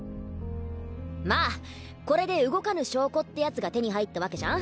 まあこれで動かぬ証拠ってやつが手に入ったわけじゃん！